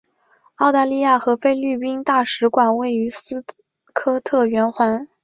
澳大利亚和菲律宾大使馆位于斯科特圆环。